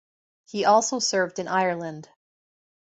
He also served in Ireland.